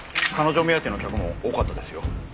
彼女目当ての客も多かったですよ。